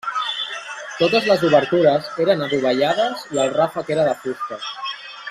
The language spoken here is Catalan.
Totes les obertures eren adovellades i el ràfec era de fusta.